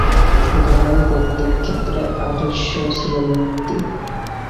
সুতরাং প্রত্যেক ক্ষেত্রেই আদর্শ ছিল মুক্তি।